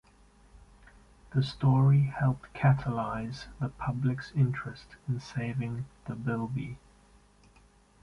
The story helped catalyse the public's interest in saving the bilby.